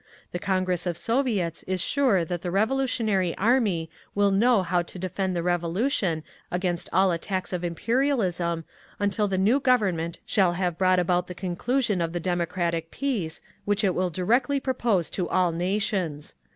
The Congress of Soviets is sure that the revolutionary Army will know how to defend the Revolution against all attacks of Imperialism, until the new Government shall have brought about the conclusion of the democratic peace which it will directly propose to all nations.